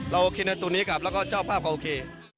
เราโอเคในตัวนี้ครับแล้วก็เจ้าภาพเขาโอเค